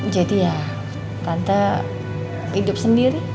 jadi ya tante hidup sendiri